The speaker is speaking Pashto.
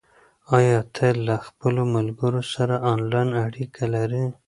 آیا ته له خپلو ملګرو سره آنلاین اړیکه لرې؟